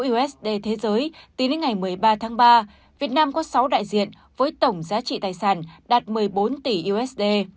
usd thế giới tính đến ngày một mươi ba tháng ba việt nam có sáu đại diện với tổng giá trị tài sản đạt một mươi bốn tỷ usd